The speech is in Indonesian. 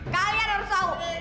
kalian harus tahu